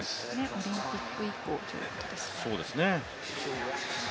オリンピック以降ということですね。